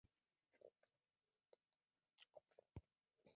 Todos los miembros son plantas leñosas con hojas alternas de márgenes dentados.